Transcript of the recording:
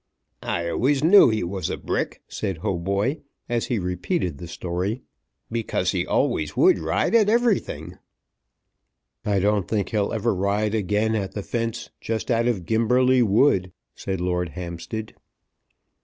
"I always knew he was a brick," said Hautboy, as he repeated the story, "because he always would ride at everything." "I don't think he'll ever ride again at the fence just out of Gimberley Wood," said Lord Hampstead.